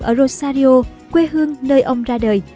ở rosario quê hương nơi ông ra đời